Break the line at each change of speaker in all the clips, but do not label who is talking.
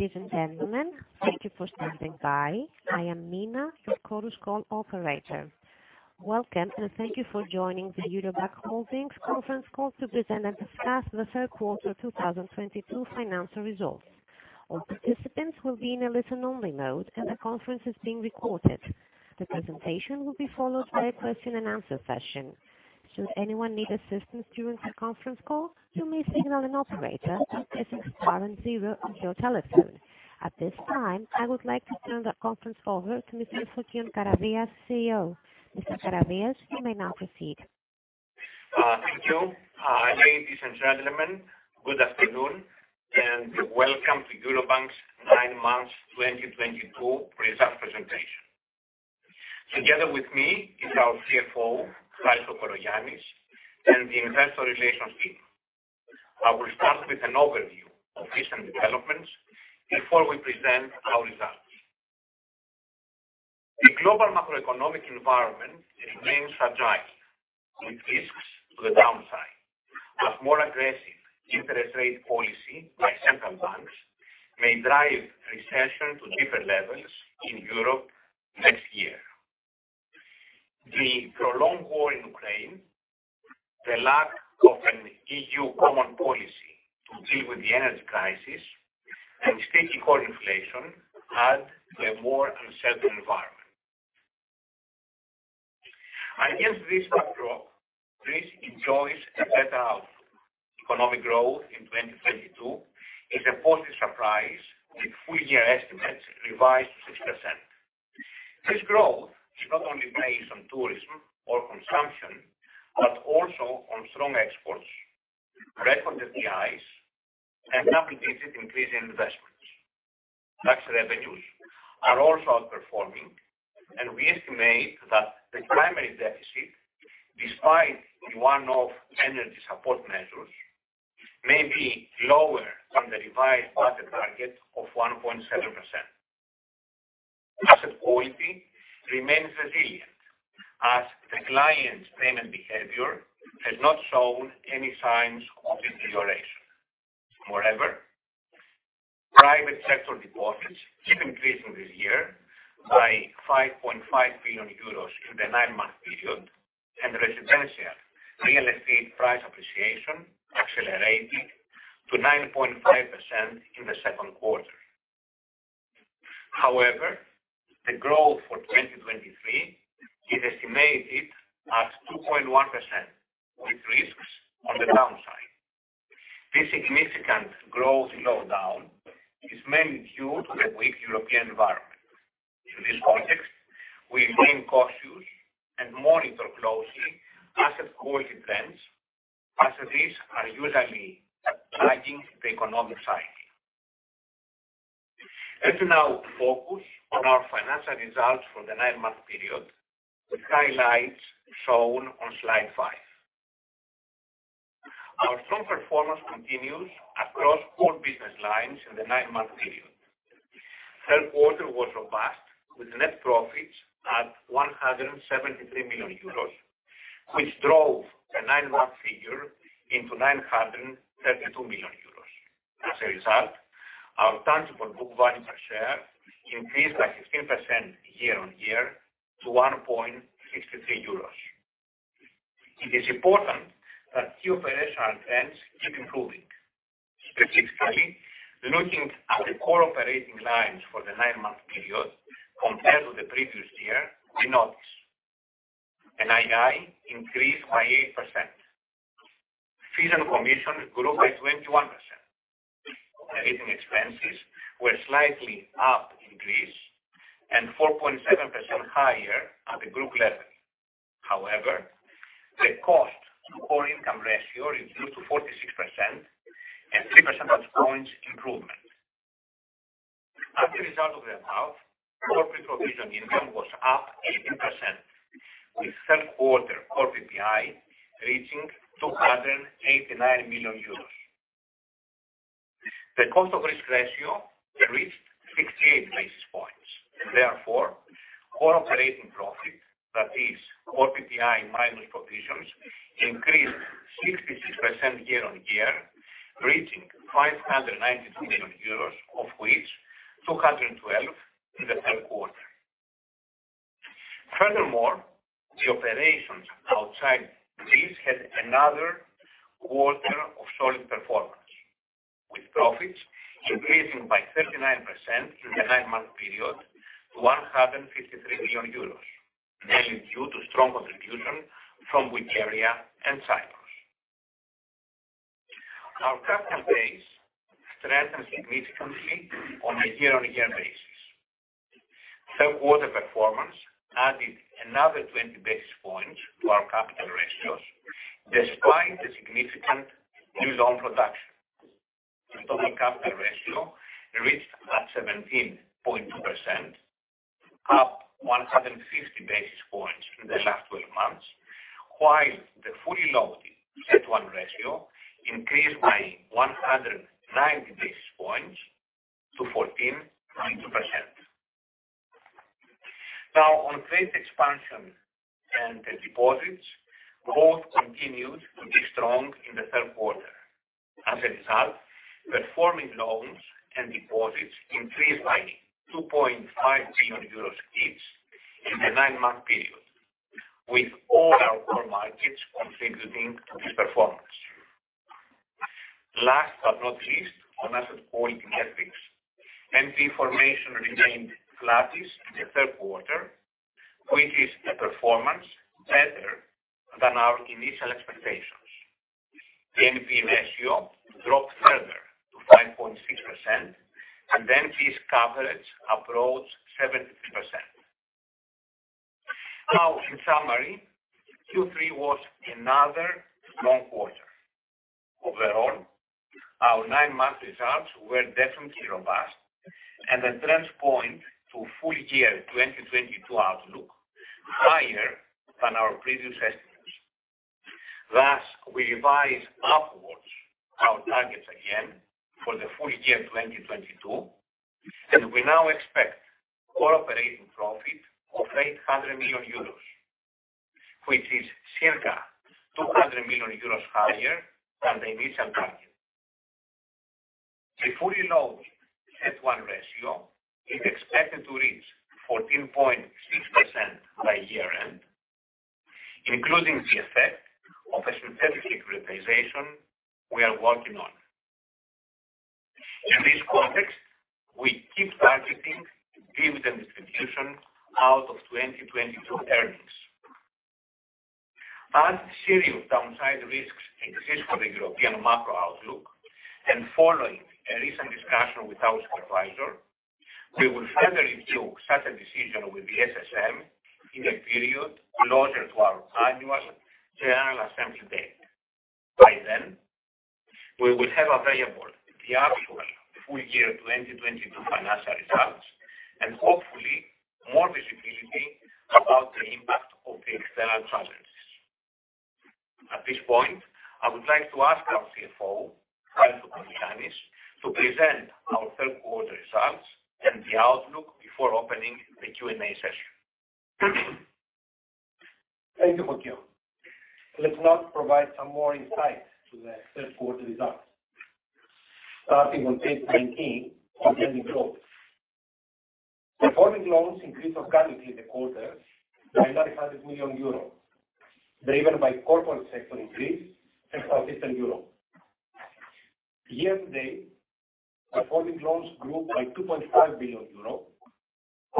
Ladies and gentlemen, thank you for standing by. I am Mina, your conference call operator. Welcome, and thank you for joining the Eurobank Holdings conference call to present and discuss the third quarter 2022 financial results. All participants will be in a listen-only mode, and the conference is being recorded. The presentation will be followed by a question and answer session. Should anyone need assistance during the conference call, you may signal an operator at 650 on your telephone. At this time, I would like to turn the conference over to Mr. Fokion Karavias, CEO. Mr. Karavias, you may now proceed.
Thank you. Ladies and gentlemen, good afternoon, and welcome to Eurobank's 9 months 2022 results presentation. Together with me is our CFO, Harris Kokologiannis, and the investor relations team. I will start with an overview of recent developments before we present our results. The global macroeconomic environment remains fragile, with risks to the downside. As more aggressive interest rate policy by central banks may drive recession to different levels in Europe next year. The prolonged war in Ukraine, the lack of an EU common policy to deal with the energy crisis and sticky core inflation add to a more uncertain environment. Against this backdrop, Greece enjoys a better outlook. Economic growth in 2022 is a positive surprise, with full-year estimates revised to 6%. This growth is not only based on tourism or consumption, but also on strong exports, record FDIs, and rapidly increasing investments. Tax revenues are also outperforming, and we estimate that the primary deficit, despite the one-off energy support measures, may be lower than the revised budget target of 1.7%. Asset quality remains resilient as the client's payment behavior has not shown any signs of deterioration. Moreover, private sector deposits keep increasing this year by 5.5 billion euros in the 9-month period, and residential real estate price appreciation accelerated to 9.5% in the second quarter. However, the growth for 2023 is estimated at 2.1%, with risks on the downside. This significant growth slowdown is mainly due to the weak European environment. In this context, we remain cautious and monitor closely asset quality trends as these are usually lagging the economic cycle. Let's now focus on our financial results for the 9-month period, with highlights shown on slide 5. Our strong performance continues across all business lines in the nine-month period. Third quarter was robust, with net profits at 173 million euros, which drove the nine-month figure into 932 million euros. As a result, our tangible book value per share increased by 16% year-on-year to 1.63 euros. It is important that key operational trends keep improving. Specifically, looking at the core operating lines for the nine-month period compared with the previous year, we notice NII increased by 8%. Fees and commission grew by 21%. Operating expenses were slightly increased by 4.7% at the group level. However, the cost to core income ratio is down to 46% and three percentage points improvement. As a result of the above, corporate provision income was up 18%, with third quarter core PPI reaching 289 million euros. The cost of risk ratio reached 68 basis points. Therefore, core operating profit, that is core PPI minus provisions, increased 66% year-on-year, reaching 592 million euros, of which 212 million in the third quarter. Furthermore, the operations outside Greece had another quarter of solid performance, with profits increasing by 39% in the nine-month period to 153 million euros, mainly due to strong contribution from UK area and Cyprus. Our capital base strengthened significantly on a year-on-year basis. Third quarter performance added another 20 basis points to our capital ratios, despite the significant new loan production. Total capital ratio reached 17.2%, up 160 basis points in the last 12 months, while the fully loaded CET1 ratio increased by 190 basis points to 14.2%. Great expansion and deposits growth continued to be strong in the third quarter. As a result, performing loans and deposits increased by 2.5 billion euros each in the 9-month period, with all our core markets contributing to this performance. Last but not least, on asset quality metrics, NPE formation remained flattish in the third quarter, which is a performance better than our initial expectations. The NPE ratio dropped further to 5.6%, and NPE coverage approached 73%. Now, in summary, Q3 was another strong quarter. Overall, our 9-month results were definitely robust, and the trends point to full-year 2022 outlook higher than our previous estimates. Thus, we revise upwards our targets again for the full year 2022, and we now expect core operating profit of 800 million euros, which is circa 200 million euros higher than the initial target. The fully loaded CET1 ratio is expected to reach 14.6% by year-end, including the effect of a synthetic securitization we are working on. In this context, we keep targeting dividend distribution out of 2022 earnings. As serious downside risks exist for the European macro outlook and following a recent discussion with our supervisor, we will further review such a decision with the SSM in the period closer to our annual general assembly date. By then, we will have available the actual full year 2022 financial results and hopefully more visibility about the impact of the external challenges. At this point, I would like to ask our CFO, Harris Kokologiannis, to present our third quarter results and the outlook before opening the Q&A session.
Thank you, Fokion. Let's now provide some more insights to the third quarter results. Starting on page 19 on lending growth. Performing loans increased organically in the quarter by 900 million euros, driven by corporate sector in Greece and Southeastern Europe. Year to date, performing loans grew by 2.5 billion euro,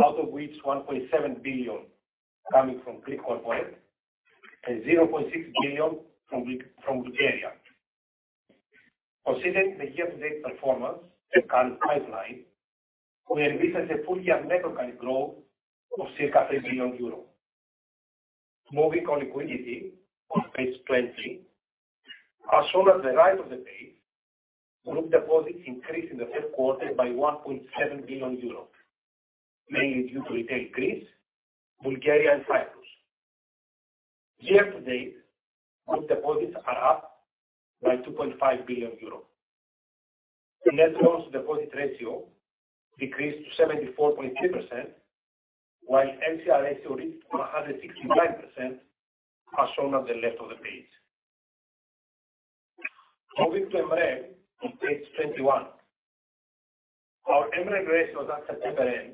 out of which 1.7 billion coming from Greek corporate and 0.6 billion from Bulgaria. Considering the year-to-date performance and current pipeline, we envisage a full year net organic growth of circa 3 billion euros. Moving on to liquidity on page 20. As shown at the right of the page, group deposits increased in the third quarter by 1.7 billion euros, mainly due to retail Greece, Bulgaria, and Cyprus. Year to date, group deposits are up by 2.5 billion euros. Net loans deposit ratio decreased to 74.3%, while LCR ratio reached 169%, as shown on the left of the page. Moving to MREL on page 21. Our MREL ratio as at September end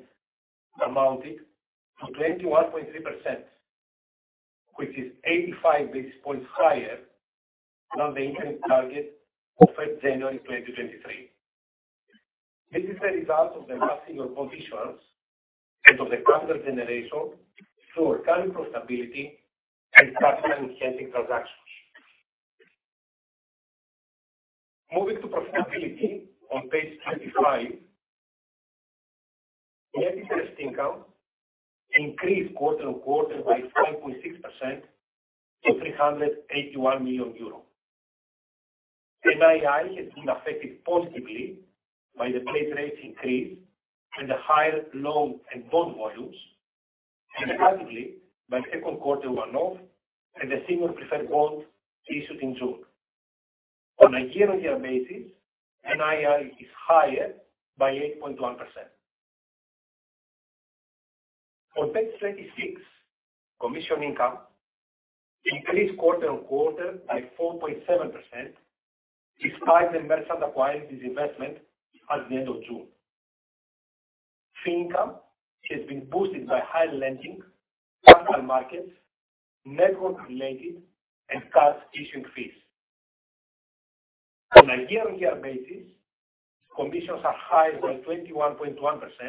amounted to 21.3%, which is 85 basis points higher than the interim target of January 2023. This is a result of the last year conditions and of the capital generation through our current profitability and capital enhancing transactions. Moving to profitability on page 25. Net interest income increased quarter-on-quarter by 5.6% to EUR 381 million. NII has been affected positively by the base rate increase and the higher loan and bond volumes, and negatively by the second quarter one-off and the senior preferred bond issued in June. On a year-on-year basis, NII is higher by 8.1%. On page 26, commission income increased quarter-on-quarter by 4.7%, despite the Merchant Acquiring divestment at the end of June. Fee income has been boosted by higher lending, capital markets, network related and cards issuing fees. On a year-on-year basis, commissions are higher by 21.1%,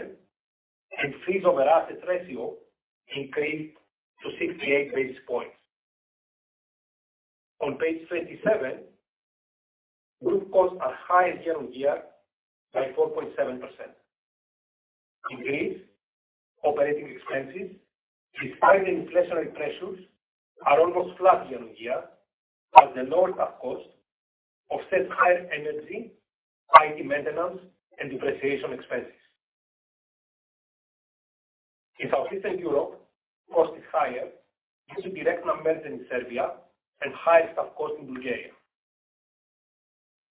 and fees over assets ratio increased to 68 basis points. On page 27, group costs are higher year-on-year by 4.7%. In Greece, operating expenses, despite the inflationary pressures, are almost flat year-on-year as the lower staff costs offset higher energy, IT maintenance, and depreciation expenses. In Southeastern Europe, cost is higher due to direct numbers in Serbia and higher staff cost in Bulgaria.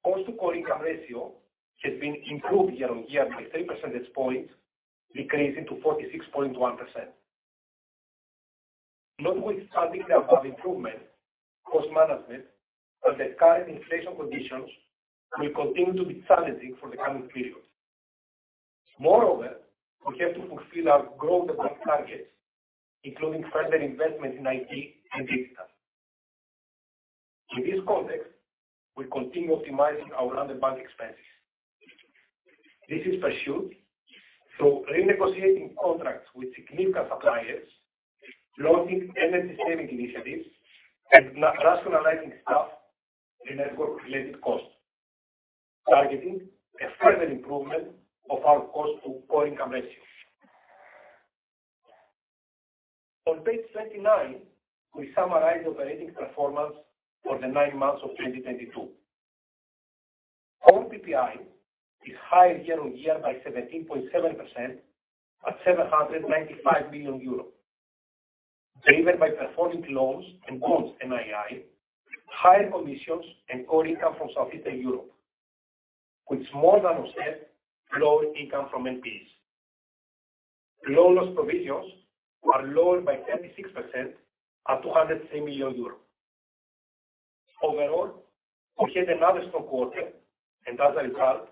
Cost to core income ratio has been improved year-on-year by 3 percentage points, decreasing to 46.1%. Notwithstanding the above improvement, cost management under current inflation conditions will continue to be challenging for the coming periods. Moreover, we have to fulfill our growth above targets, including further investment in IT and digital. In this context, we continue optimizing our underlying bank expenses. This is pursued through renegotiating contracts with significant suppliers, launching energy saving initiatives and rationalizing staff network related costs, targeting a further improvement of our cost-to-core income ratio. On page 29, we summarize operating performance for the 9 months of 2022. Core PPI is higher year-on-year by 17.7% at 795 million euros, driven by performing loans and bonds NII, higher commissions and core income from Southeastern Europe, which more than offset lower income from NPEs. Loan loss provisions were lower by 36% at 203 million euros. Overall, we had another strong quarter and as a result,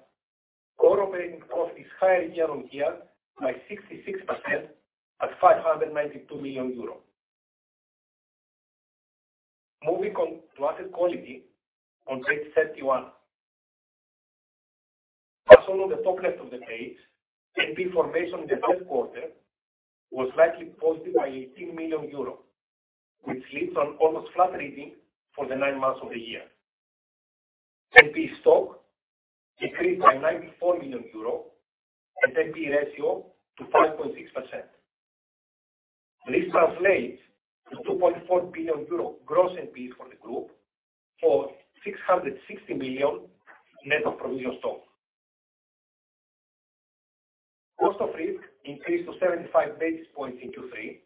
core operating profit is higher year-on-year by 66% at EUR 592 million. Moving on to asset quality on page 31. Also on the top left of the page, NP formation in the third quarter was slightly positive by 18 million euros, which leads to an almost flat reading for the nine months of the year. NP stock decreased by 94 million euros and NP ratio to 5.6%. This translates to 2.4 billion euro gross NP for the group and 660 million net of provision stock. Cost of risk increased to 75 basis points in Q3,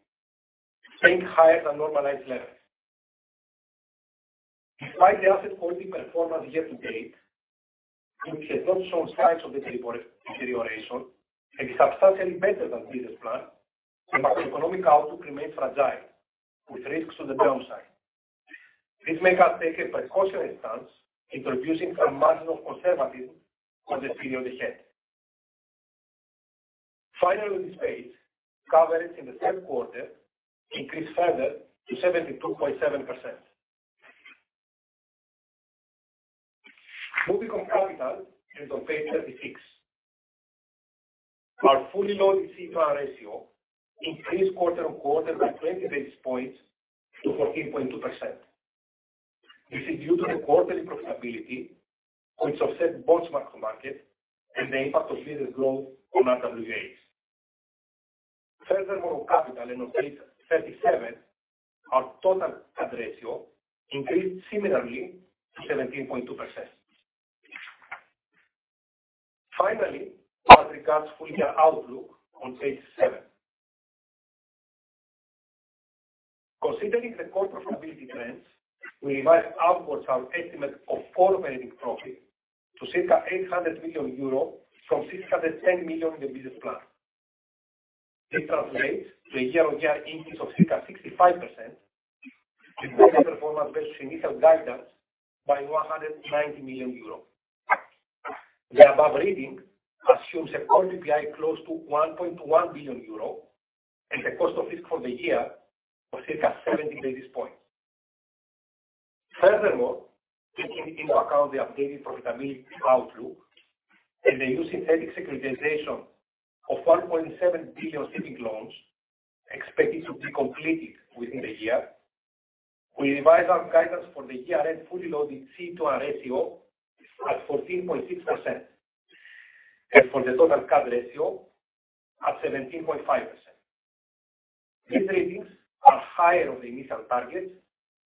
staying higher than normalized levels. Despite the asset quality performance year to date, which has not shown signs of material deterioration and is substantially better than business plan and macroeconomic outlook remains fragile with risks to the downside. This makes us take a precautionary stance, introducing a margin of conservatism for the period ahead. Finally, on this page, coverage in the third quarter increased further to 72.7%. Moving on to capital and on page 36. Our fully loaded CET1 ratio increased quarter-on-quarter by 20 basis points to 14.2%. This is due to the quarterly profitability which offset bond mark-to-market and the impact of business growth on RWAs. Furthermore, on page 37, our total CAP ratio increased similarly to 17.2%. Finally, as regards full year outlook on page 7. Considering the core profitability trends, we revised upwards our estimate of core operating profit to circa 800 million euros from 610 million in the business plan. This translates to a year-on-year increase of circa 65% and better performance versus initial guidance by 190 million euros. The above reading assumes a core PPI close to 1.1 billion euros and the cost of risk for the year of circa 70 basis points. Furthermore, taking into account the updated profitability outlook and the new synthetic securitization of 1.7 billion shipping loans expected to be completed within the year, we revise our guidance for the year-end fully loaded CET ratio at 14.6%, and for the total CAP ratio at 17.5%. These ratings are higher on the initial targets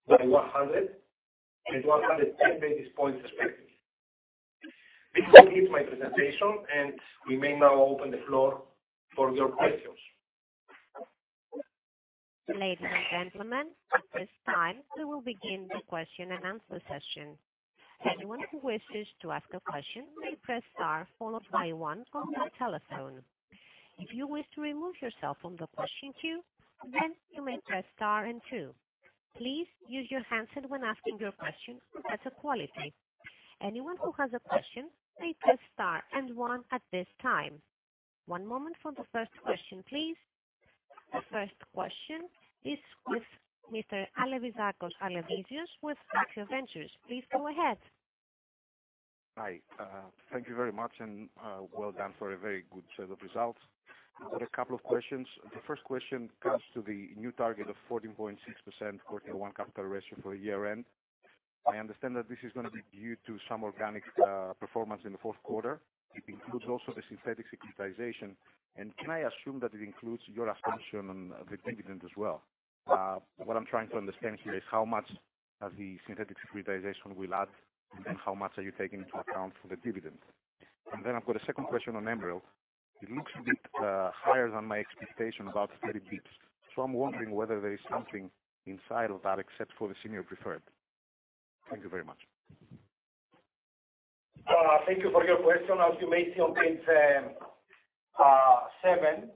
by 100 and 110 basis points respectively. This concludes my presentation, and we may now open the floor for your questions.
Ladies and gentlemen, at this time we will begin the question and answer session. Anyone who wishes to ask a question may press star followed by one on your telephone. If you wish to remove yourself from the question queue, then you may press star and two. Please use your handset when asking your question for better quality. Anyone who has a question may press star and one at this time. One moment for the first question, please. The first question is with Mr. Al Alevizakos with AXIA Ventures. Please go ahead.
Hi, thank you very much and well done for a very good set of results. I've got a couple of questions. The first question comes to the new target of 14.6% Core Tier 1 capital ratio for year end. I understand that this is going to be due to some organic performance in the fourth quarter. It includes also the synthetic securitization. Can I assume that it includes your assumption on the dividend as well? What I'm trying to understand here is how much the synthetic securitization will add and how much are you taking into account for the dividend? I've got a second question on MREL. It looks a bit higher than my expectation, about 30 basis points. I'm wondering whether there is something inside of that except for the senior preferred. Thank you very much.
Thank you for your question. As you may see on page seven,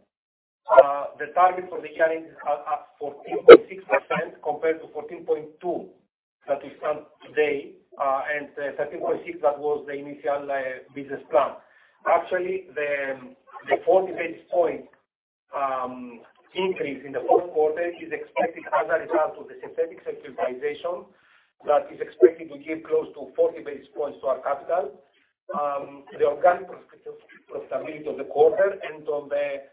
the target for the year-end is up 14.6% compared to 14.2. That is as of today, and 14.6, that was the initial business plan. Actually, the 40 basis point increase in the fourth quarter is expected as a result of the synthetic securitization that is expected to give close to 40 basis points to our capital. The organic perspective profitability of the quarter and on the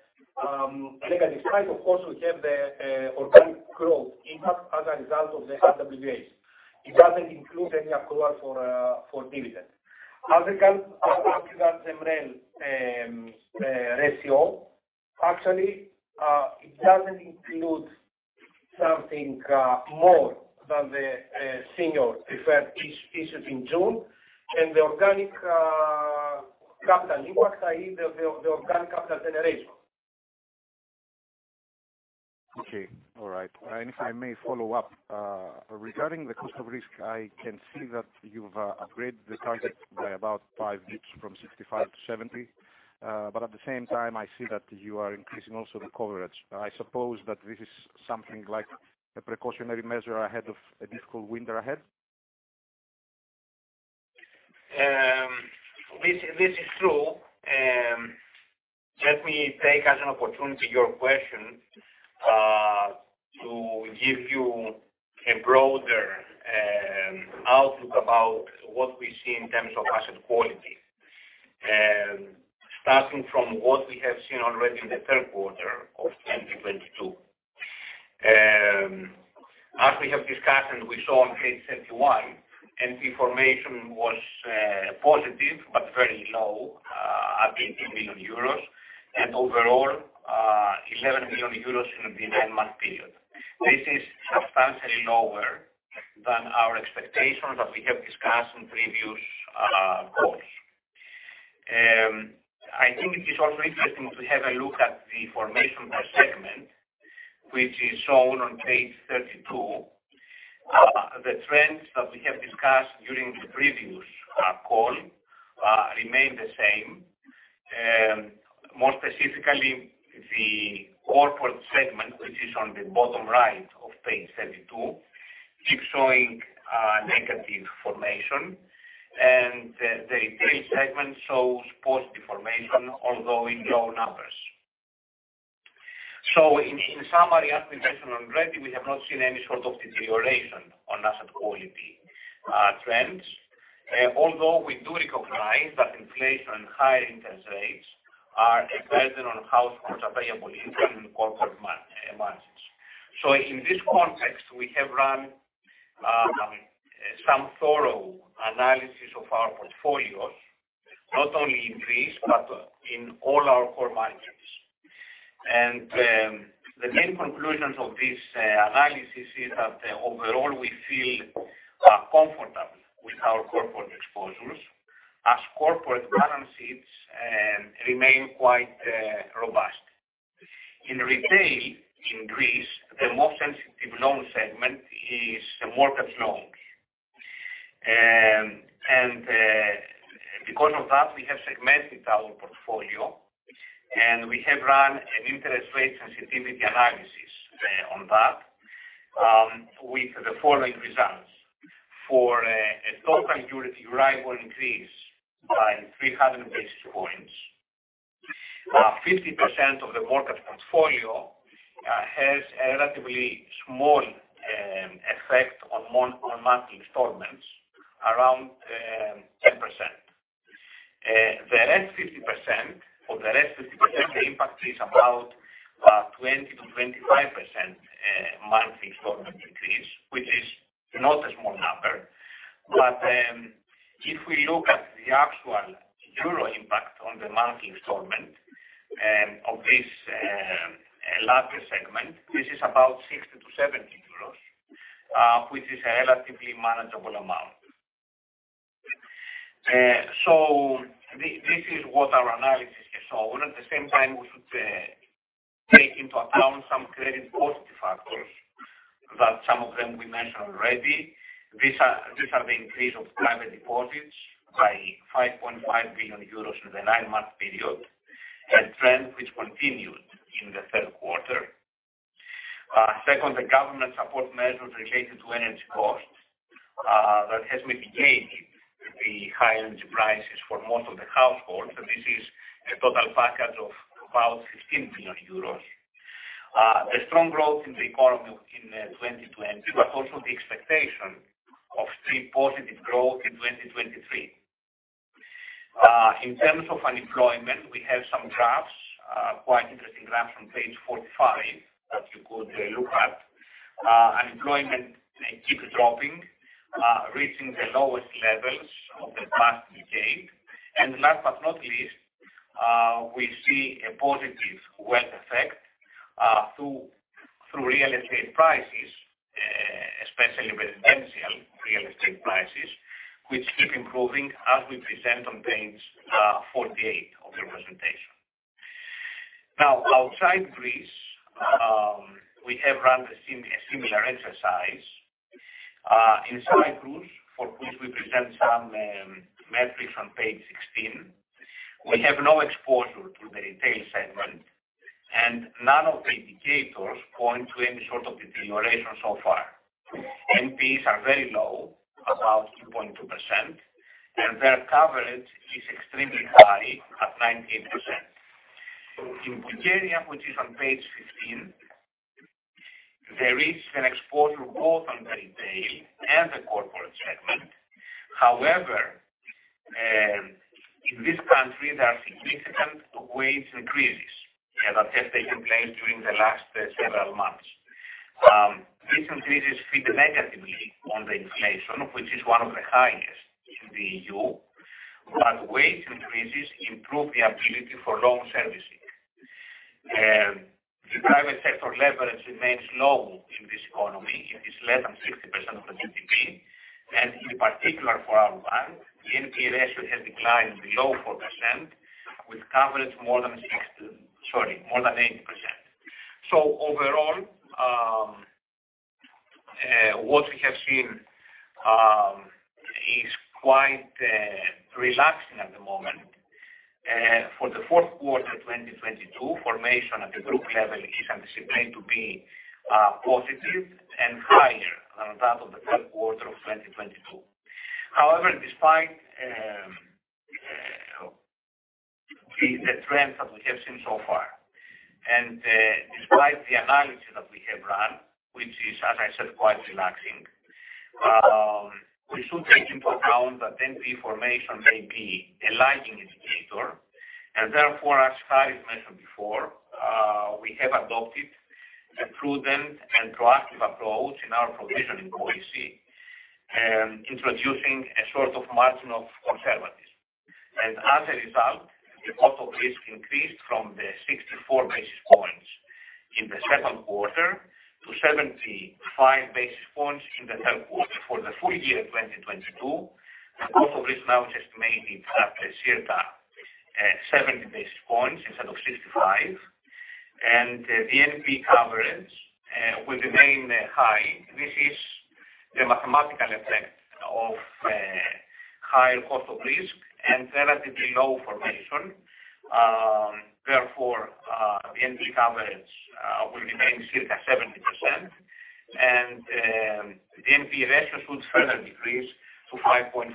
negative side, of course, we have the organic growth impact as a result of the RWA. It doesn't include any approval for dividend. As it comes, as regards the MREL ratio, actually, it doesn't include something more than the senior preferred issued in June. The organic capital impact, i.e., the organic capital generation.
Okay. All right. If I may follow up, regarding the cost of risk, I can see that you've upgraded the target by about 5 basis points from 65 to 70. At the same time, I see that you are increasing also the coverage. I suppose that this is something like a precautionary measure ahead of a difficult winter ahead?
This is true. Let me take as an opportunity your question to give you a broader outlook about what we see in terms of asset quality. Starting from what we have seen already in the third quarter of 2022. As we have discussed, and we saw on page 31, and information was positive but very low at 80 million euros. Overall, 11 billion euros in the nine-month period. This is substantially lower than our expectations that we have discussed in previous calls. I think it is also interesting to have a look at the formation by segment, which is shown on page 32. The trends that we have discussed during the previous call remain the same. More specifically, the corporate segment, which is on the bottom right of page 32, keeps showing negative formation. The trade segment shows positive formation, although in low numbers. In summary, as we mentioned already, we have not seen any sort of deterioration on asset quality trends. Although we do recognize that inflation and higher interest rates are impacting on households available income in corporate markets. In this context, we have run some thorough analysis of our portfolios, not only in Greece, but in all our core markets. The main conclusions of this analysis is that overall, we feel comfortable with our corporate exposures, as corporate balances remain quite robust. In retail in Greece, the most sensitive loan segment is the mortgage loans. Because of that, we have segmented our portfolio, and we have run an interest rate sensitivity analysis on that with the following results. For a total security yield increase by 300 basis points. 50% of the mortgage portfolio has a relatively small effect on monthly installments, around 10%. The rest 50%, the impact is about 20%-25% monthly installment increase, which is not a small number. If we look at the actual EUR impact on the monthly installment of this larger segment, this is about 60-70 euros, which is a relatively manageable amount. This is what our analysis has shown. At the same time, we should take into account some credit positive factors that some of them we mentioned already. These are the increase of private deposits by 5.5 billion euros in the nine-month period, a trend which continued in the third quarter. Second, the government support measures related to energy costs that has mitigated the high energy prices for most of the households, and this is a total package of about 16 billion euros. The strong growth in the economy in 2022, but also the expectation of strong positive growth in 2023. In terms of unemployment, we have some graphs, quite interesting graphs on page 45 that you could look at. Unemployment may keep dropping, reaching the lowest levels of the past decade. Last but not least, we see a positive wealth effect through real estate prices. Real estate prices, which keep improving as we present on page 48 of the presentation. Now, outside Greece, we have run a similar exercise inside groups for which we present some metrics on page 16. We have no exposure to the retail segment, and none of the indicators point to any sort of deterioration so far. NPEs are very low, about 2.2%, and their coverage is extremely high at 19%. In Bulgaria, which is on page 15, there is an exposure both on the retail and the corporate segment. However, in this country, there are significant wage increases that have taken place during the last several months. These increases feed negatively on the inflation, which is one of the highest in the EU, but wage increases improve the ability for loan servicing. The private sector leverage remains low in this economy. It is less than 60% of the GDP. In particular, for our bank, the NPA ratio has declined below 4% with coverage more than 80%. Overall, what we have seen is quite relaxing at the moment. For the fourth quarter 2023, performance at the group level is anticipated to be positive and higher than that of the fourth quarter of 2022. However, despite the trends that we have seen so far and despite the analysis that we have run, which is, as I said, quite reassuring, we should take into account that NPE formation may be a lagging indicator. Therefore, as Harry mentioned before, we have adopted a prudent and proactive approach in our provisioning OAC, introducing a sort of margin of conservatism. As a result, the cost of risk increased from the 64 basis points in the second quarter to 75 basis points in the third quarter. For the full year, 2022, the cost of risk now is estimated to have a circa 70 basis points instead of 65. The NPE coverage will remain high. This is the mathematical effect of higher cost of risk and relatively low formation. Therefore, the NPA coverage will remain circa 70% and the NPA ratio should further decrease to 5.5%.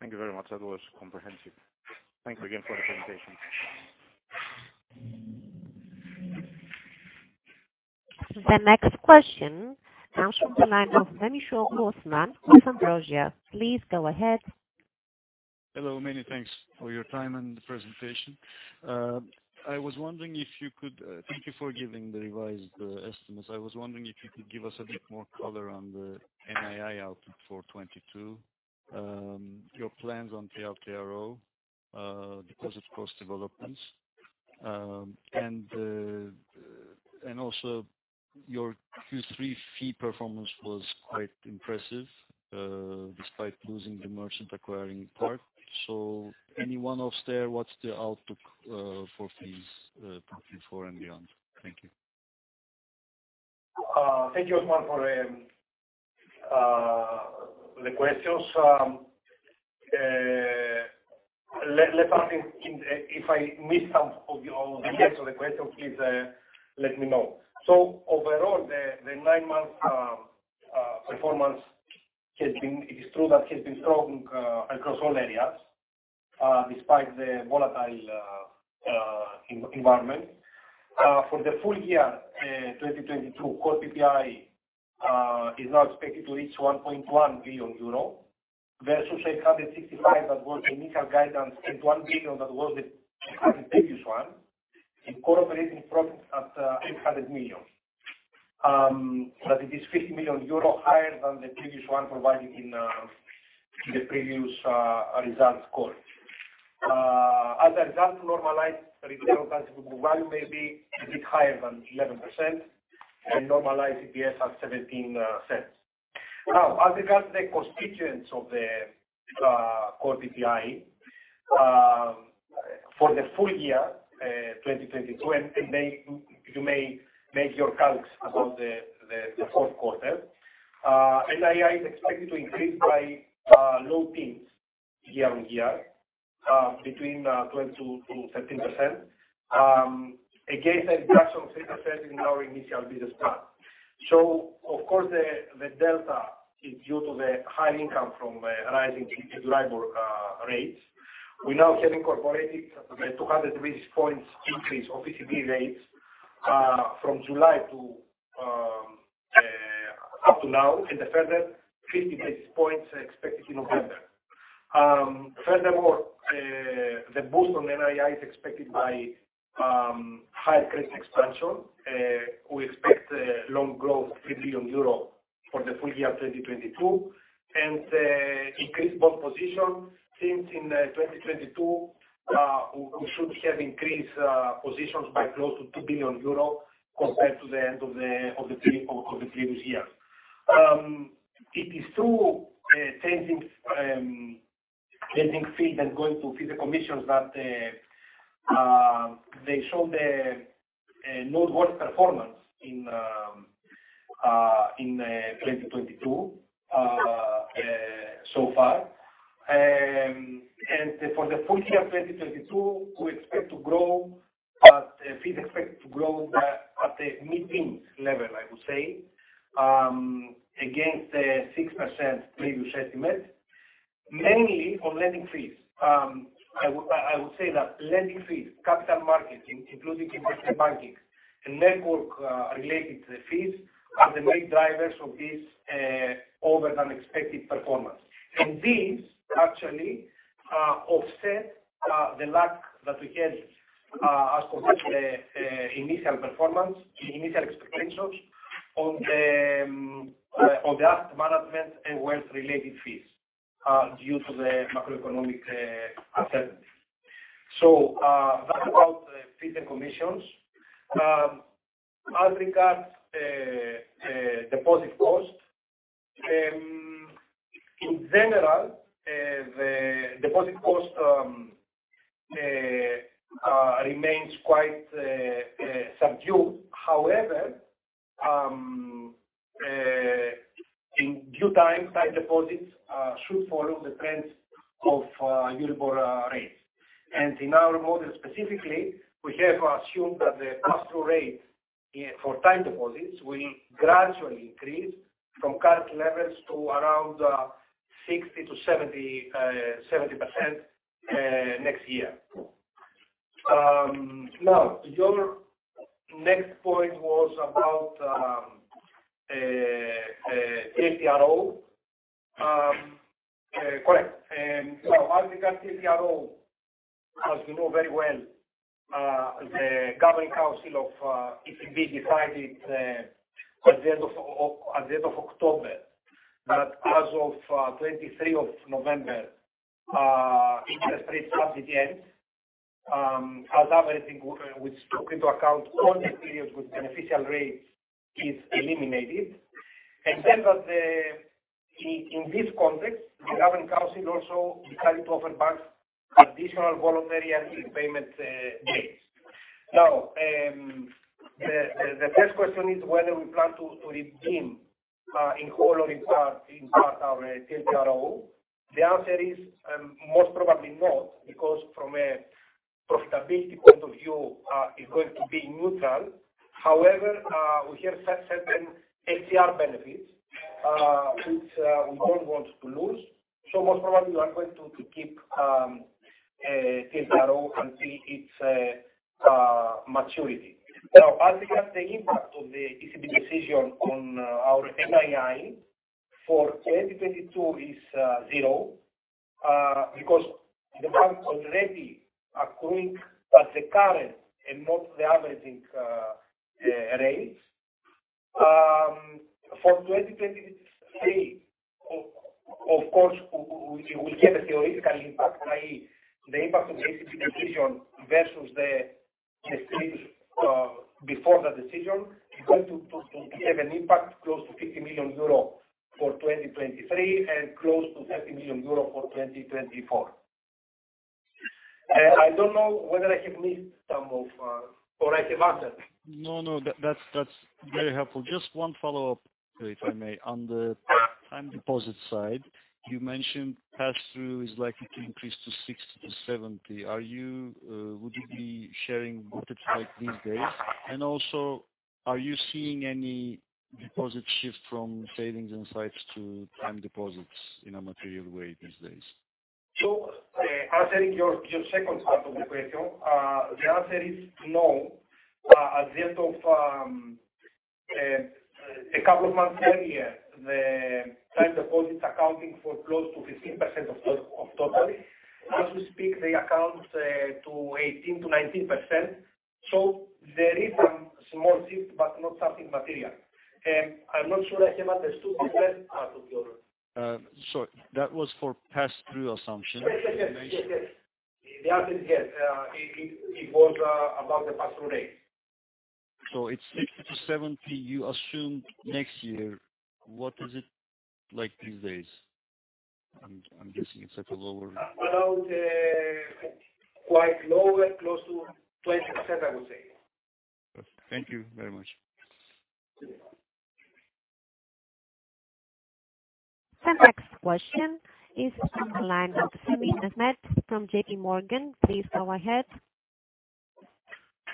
Thank you very much. That was comprehensive. Thank you again for the presentation.
The next question comes from the line of Osman Memisoglu with Ambrosia. Please go ahead.
Hello. Many thanks for your time and the presentation. Thank you for giving the revised estimates. I was wondering if you could give us a bit more color on the NII outlook for 2022, your plans on TLTRO, because of cost developments. And also your Q3 fee performance was quite impressive, despite losing the merchant acquiring part. Anyone else there, what's the outlook for fees forward and beyond? Thank you.
Thank you, Osman, for the questions. If I miss some of your all the details of the question, please let me know. Overall, the nine months performance has been strong across all areas despite the volatile environment. For the full year 2022, core PPI is now expected to reach 1.1 billion euro versus 865 million that was initial guidance, and 1 billion that was the previous one, and core operating profits at 800 million. It is 50 million euro higher than the previous one provided in the previous results call. As a result, normalized regulatory tangible value may be a bit higher than 11% and normalized EPS at EUR 0.17. Now, as regards the constituents of the core PPI for the full year 2022, you may make your calcs about the fourth quarter. NII is expected to increase by low teens year-on-year, between 12%-13%. Against a drop of 6% in our initial business plan. Of course, the delta is due to the high income from rising Euribor rates. We now have incorporated the 200 basis points increase of ECB rates from July to up to now, and a further 50 basis points expected in November. Furthermore, the boost on NII is expected by higher credit expansion. We expect loan growth of 3 billion euro. For the full year of 2022, increased bond position since in 2022, we should have increased positions by close to 2 billion euro compared to the end of the previous year. It is true, changing lending fee than going through fee commissions that they showed a noteworthy performance in 2022 so far. For the full year of 2022, we expect fees to grow at a mid-teen level, I would say, against the 6% previous estimate, mainly on lending fees. I would say that lending fees, capital markets, including investment banking and network related fees are the main drivers of this better than expected performance. These actually offset the lack that we had as per the initial performance, initial expectations on the asset management and wealth related fees due to the macroeconomic uncertainties. That's about fee commissions. As regards deposit cost, in general, the deposit cost remains quite subdued. However, in due time deposits should follow the trends of Euribor rates. In our model specifically, we have assumed that the pass-through rate for time deposits will gradually increase from current levels to around 60%-70% next year. Now your next point was about TLTRO. Correct. As we got TLTRO, as you know very well, the governing council of ECB decided at the end of October, that as of 23rd of November, interest rates start again. As averaging with two credit-only periods with beneficial rates is eliminated. In this context, the governing council also decided to offer banks additional voluntary early repayment dates. The first question is whether we plan to redeem in whole or in part our TLTRO. The answer is most probably not, because from a profitability point of view, is going to be neutral. However, we have certain HTC benefits, which we don't want to lose. Most probably we are going to keep TLTRO until its maturity. As regards the impact of the ECB decision on our NII for 2022 is zero. Because the banks already are pricing at the current and not the averaging rates. For 2023, of course, we get a theoretical impact, i.e., the impact of the ECB decision versus the stage before the decision is going to have an impact close to 50 million euro for 2023 and close to 30 million euro for 2024. I don't know whether I have missed some. Or I have answered.
No, no, that's very helpful. Just one follow-up, if I may. On the time deposit side, you mentioned pass-through is likely to increase to 60%-70%. Are you, would you be sharing what it's like these days? And also, are you seeing any deposit shift from savings and sight to time deposits in a material way these days?
Answering your second part of the question, the answer is no. At the end of a couple of months earlier, the time deposits accounting for close to 15% of total. As we speak, they account to 18%-19%. There is some small shift, but not something material. I'm not sure I have understood the first part of your
Sorry. That was for pass-through assumption.
Yes, yes. Yes, yes. The answer is yes. It was about the pass-through rate.
It's 60-70 you assume next year. What is it like these days? I'm guessing it's at a lower-
Around, quite lower, close to 20%, I would say.
Thank you very much.
Yeah.
Next question is from the line of Mehmet Sevim from JPMorgan. Please go ahead.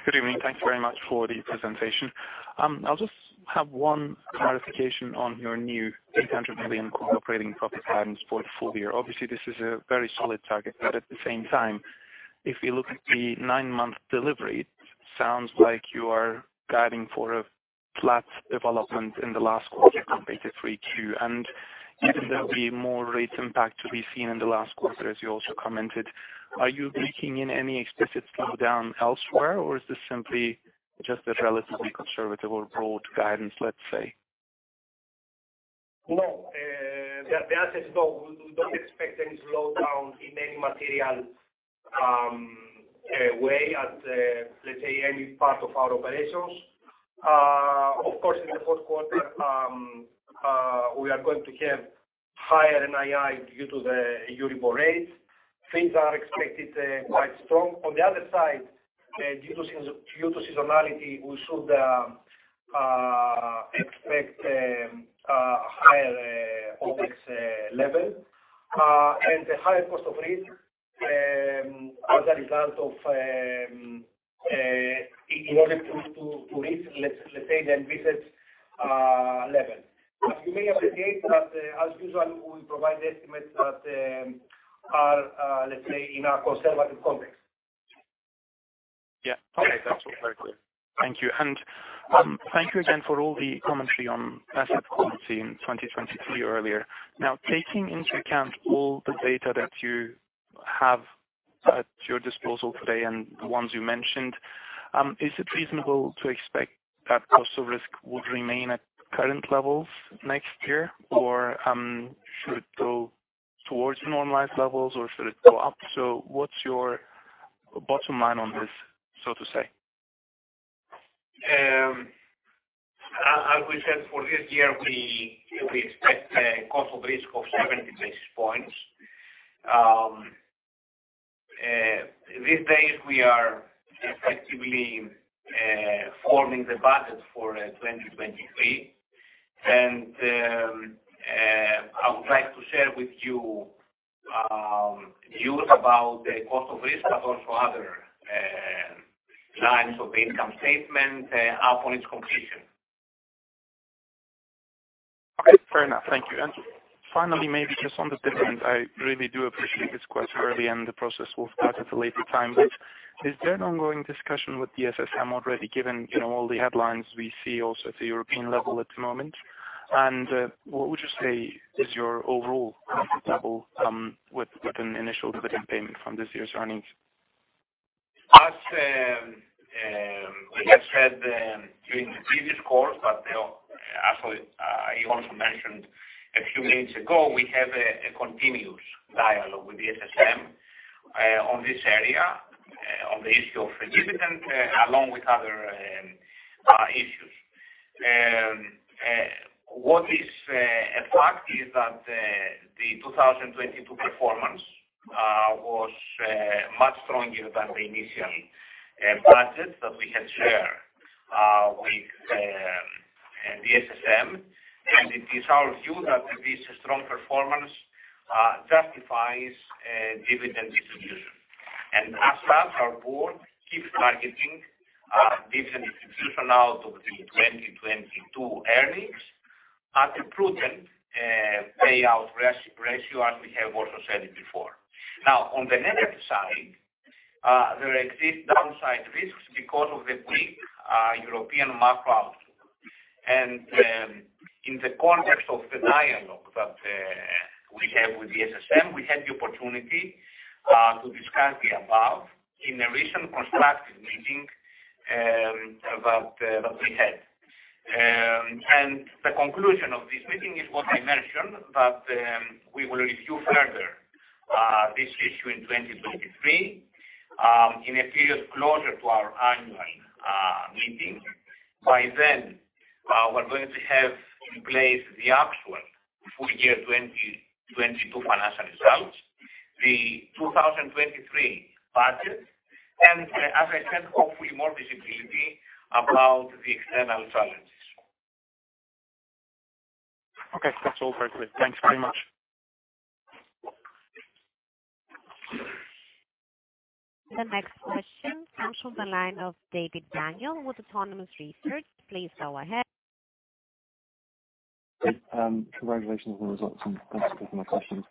Good evening. Thank you very much for the presentation. I'll just have one clarification on your new EUR 800 million operating profit guidance for the full year. Obviously, this is a very solid target, but at the same time, if you look at the 9-month delivery, it sounds like you are guiding for a flat development in the last quarter compared to 3Q. Even then there will be more rates impact to be seen in the last quarter, as you also commented. Are you baking in any explicit slowdown elsewhere, or is this simply just a relatively conservative road to guidance, let's say?
No. The answer is no. We don't expect any slowdown in any material way at, let's say any part of our operations. Of course, in the fourth quarter, we are going to have higher NII due to the Euribor rates. Fees are expected quite strong. On the other side, due to seasonality, we should expect higher OpEx level and a higher cost of risk as a result of in order to reach, let's say the envisaged level. As you may appreciate that, as usual, we provide the estimates that are, let's say, in our conservative context.
Yeah. Okay. That's all. Very clear. Thank you. Thank you again for all the commentary on asset quality in 2023 earlier. Now, taking into account all the data that you have at your disposal today and the ones you mentioned, is it reasonable to expect that cost of risk would remain at current levels next year? Or, should it go towards normalized levels, or should it go up? So what's your bottom line on this, so to say?
As we said for this year, we expect a cost of risk of 70 basis points. These days, we are effectively forming the budget for 2023. I would like to share with you views about the cost of risk, but also other lines of income statement upon its completion.
All right. Fair enough. Thank you. Finally, maybe just on the dividend, I really do appreciate it's quite early and the process will start at a later time. Is there an ongoing discussion with the SSM already, given you know, all the headlines we see also at the European level at the moment? What would you say is your overall comfort level with an initial dividend payment from this year's earnings?
As we have said during the previous calls, but actually you also mentioned a few minutes ago, we have a continuous dialogue with the SSM on this area, on the issue of dividend, along with other issues. What is a fact is that the 2022 performance was much stronger than the initial budget that we had shared with the SSM. It is our view that this strong performance justifies a dividend distribution. As such, our board keeps targeting dividend distribution out of the 2022 earnings at a prudent payout ratio, as we have also said it before. Now, on the negative side, there exist downside risks because of the big European macro outlook. In the context of the dialogue that we have with the SSM, we had the opportunity to discuss the above in a recent constructive meeting that we had. The conclusion of this meeting is what I mentioned, that we will review further this issue in 2023, in a period closer to our annual meeting. By then, we're going to have in place the actual full year 2022 financial results, the 2023 budget, and as I said, hopefully more visibility about the external challenges.
Okay. That's all very clear. Thanks very much.
The next question comes from the line of Daniel David with Autonomous Research. Please go ahead.
Great, congratulations on the results and thanks for taking my questions.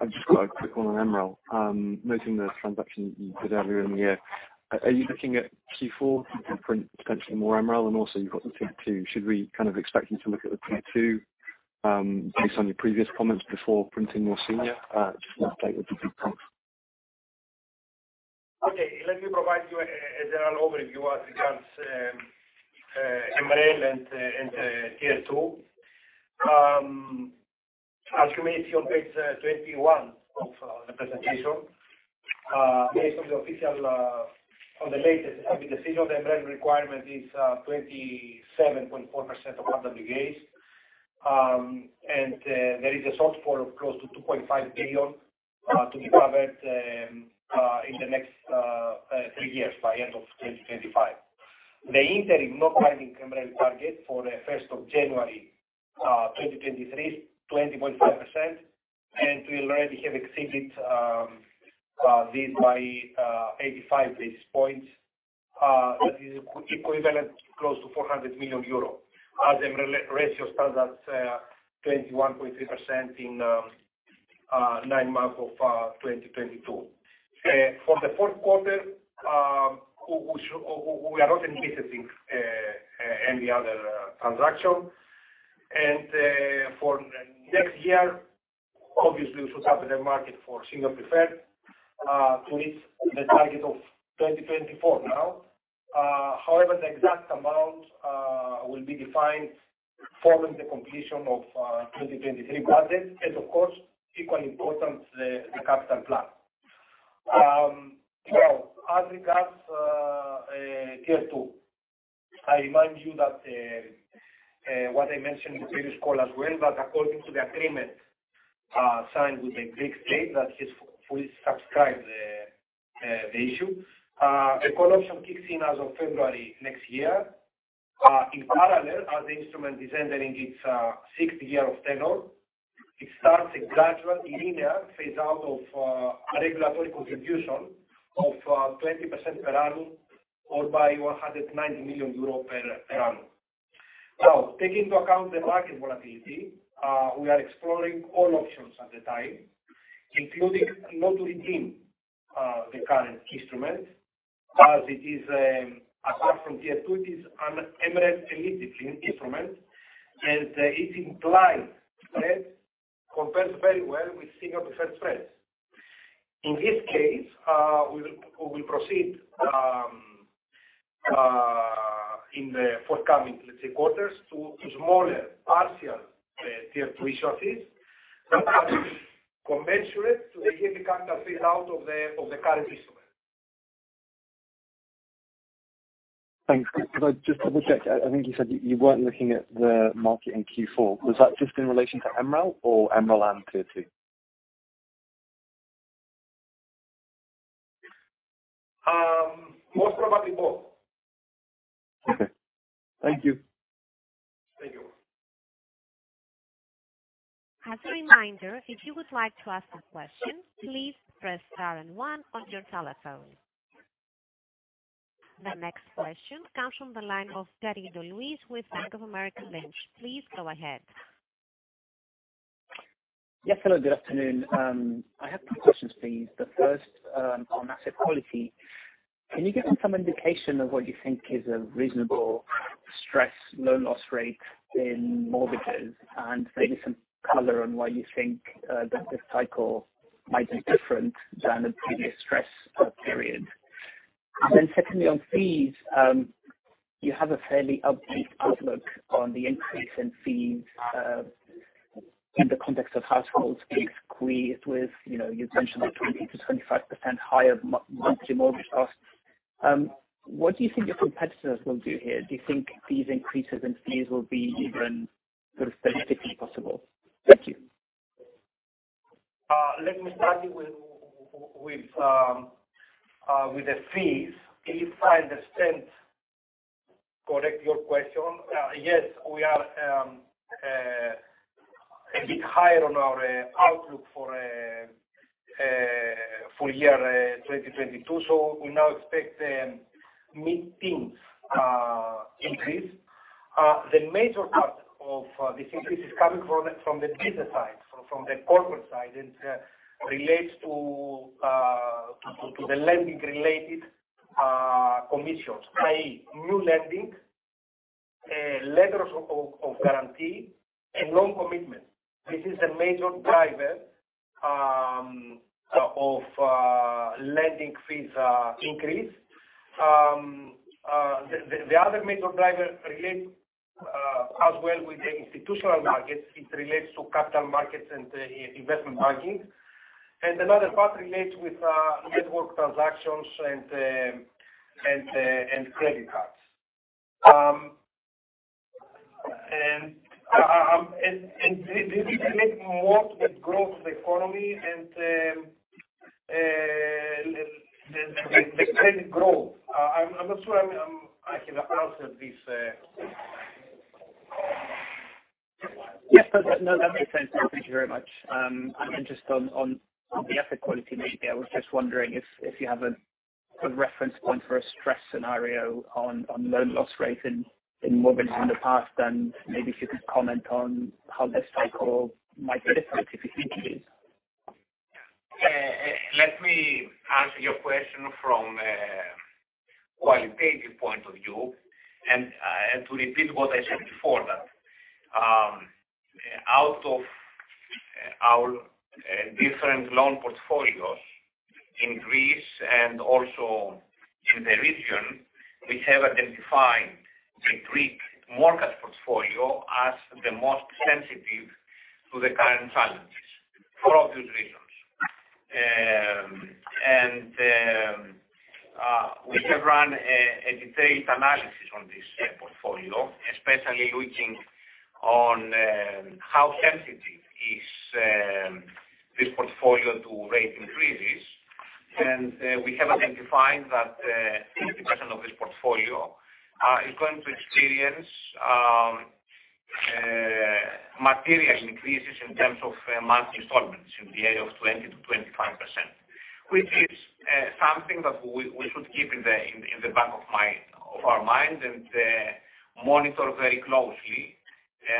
I've just got a quick one on MREL, noting the transaction you did earlier in the year. Are you looking at Q4 to print potentially more MREL? Also you've got the Tier 2. Should we kind of expect you to look at the Tier 2, based on your previous comments before printing more senior? Just an update would be great. Thanks.
Okay. Let me provide you a general overview as regards MREL and Tier 2. As you may see on page 21 of the presentation, based on the latest, I mean, the senior MREL requirement is 27.4% of RWAs. There is a shortfall of close to 2.5 billion to be covered in the next three years by end of 2025. The interim non-binding MREL target for January 1, 2023 is 20.5%, and we already have exceeded this by 85 basis points. That is equivalent to close to 400 million euro. As MREL ratio stands at 21.3% in Nine months of 2022. For the fourth quarter, we are not anticipating any other transaction. For next year, obviously we should have the market for senior preferred to reach the target of 2024 now. However, the exact amount will be defined following the completion of 2023 budget and of course, equally important, the capital plan. Now as regards tier two. I remind you that what I mentioned in the previous call as well, but according to the agreement signed with the Greek state that has fully subscribed the issue. A call option kicks in as of February next year. In parallel as the instrument is entering its sixth year of tenure, it starts a gradual linear phase out of a regulatory contribution of 20% per annum or by 190 million euro per annum. Now, taking into account the market volatility, we are exploring all options at the time, including not to redeem the current instrument as it is, apart from Tier 2, it is an MREL eligible instrument and its implied spread compares very well with senior preferred spreads. In this case, we will proceed in the forthcoming, let's say, quarters to smaller partial Tier 2 issuances commensurate to the heavy capital phase out of the current instrument.
Thanks. Could I just double check? I think you said you weren't looking at the market in Q4. Was that just in relation to MREL or MREL and tier two?
Most probably both.
Okay. Thank you.
Thank you.
As a reminder, if you would like to ask a question, please press star and one on your telephone. The next question comes from the line of Luis Garrido with Bank of America Merrill Lynch. Please go ahead.
Yes. Hello, good afternoon. I have two questions for you. The first, on asset quality, can you give me some indication of what you think is a reasonable stress loan loss rate in mortgages? Maybe some color on why you think that this cycle might be different than the previous stress period. Then secondly, on fees, you have a fairly upbeat outlook on the increase in fees, in the context of households squeezed with, you know, you mentioned like 20%-25% higher monthly mortgage costs. What do you think your competitors will do here? Do you think these increases in fees will be even sort of strategically possible? Thank you.
Let me start with the fees. If I understand correctly your question, yes, we are a bit higher on our outlook for full year 2022. We now expect a mid-teens increase. The major part of this increase is coming from the business side. From the corporate side, it relates to the lending related commissions, i.e., new lending, letters of guarantee and loan commitment. This is a major driver of lending fees increase. The other major driver relates as well with the institutional markets. It relates to capital markets and investment banking. Another part relates with network transactions and credit cards. This is related more to the growth of the economy and the credit growth. I'm not sure I can answer this.
Yeah. No, that makes sense. Thank you very much. Just on the asset quality, maybe I was just wondering if you have a reference point for a stress scenario on loan loss rate in mortgages in the past, and maybe if you could comment on how this cycle might be different, if it indeed is.
Yeah. Let me answer your question from a qualitative point of view and to repeat what I said before that, out of our different loan portfolios in Greece and also in the region, we have identified the Greek market portfolio as the most sensitive to the current challenges for obvious reasons. We have run a detailed analysis on this portfolio, especially looking on how sensitive is this portfolio to rate increases. We have identified that 50% of this portfolio is going to experience material increases in terms of monthly installments in the area of 20%-25%. Which is something that we should keep in the back of our minds and monitor very closely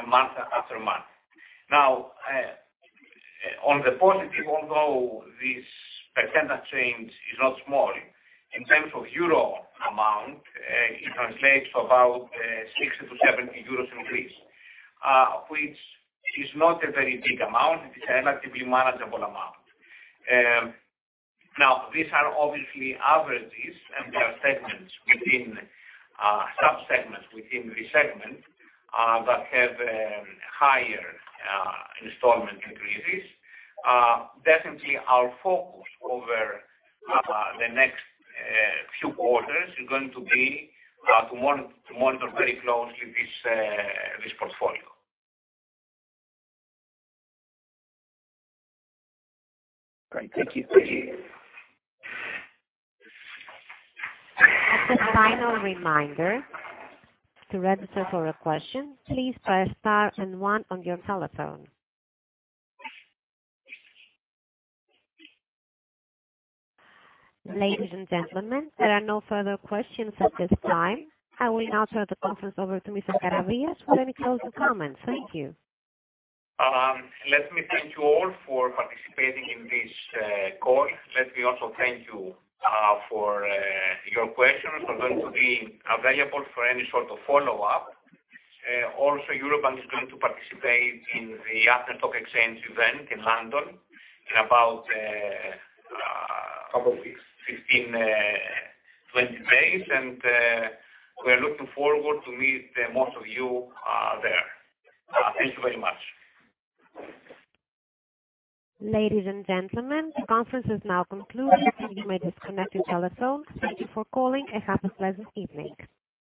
month after month. Now, on the positive, although this percentage change is not small in terms of euro amount, it translates to about 60-70 euros increase, which is not a very big amount. It is a relatively manageable amount. Now these are obviously averages, and there are segments within sub-segments within the segment that have a higher installment increases. Definitely our focus over the next few quarters are going to be to monitor very closely this portfolio.
Great. Thank you.
As a final reminder to register for a question, please press Star and one on your telephone. Ladies and gentlemen, there are no further questions at this time. I will now turn the conference over to Mr. Karavias for any closing comments. Thank you.
Let me thank you all for participating in this call. Let me also thank you for your questions. I'm going to be available for any sort of follow-up. Also Eurobank is going to participate in the Athens Exchange event in London in about a couple weeks, 15, 20 days, and we're looking forward to meet most of you there. Thank you very much.
Ladies and gentlemen, the conference is now concluded. You may disconnect your telephones. Thank you for calling and have a pleasant evening.